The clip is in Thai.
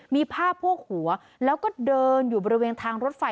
มีผ้าโพกหัวแล้วก็เดินอยู่บริเวณทางรถไฟ